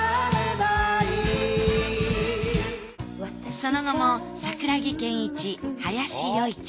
その後も桜木健一林与一